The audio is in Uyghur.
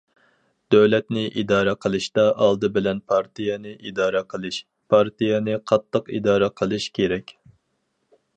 دۆلەتنى ئىدارە قىلىشتا ئالدى بىلەن پارتىيەنى ئىدارە قىلىش، پارتىيەنى قاتتىق ئىدارە قىلىش كېرەك.